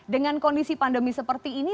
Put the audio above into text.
dengan kondisi pandemi seperti ini